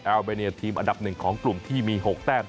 เบเนียทีมอันดับ๑ของกลุ่มที่มี๖แต้ม